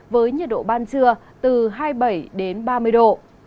với nhiệt độ ban trưa từ hai mươi bảy đến ba mươi độ